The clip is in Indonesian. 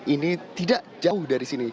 ini tidak jauh dari sini